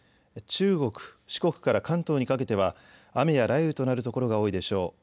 中国・四国から関東にかけては雨や雷雨となる所が多いでしょう。